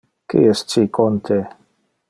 Qui es ci con te?